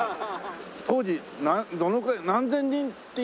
当時どのくらい何千人っていたのかな？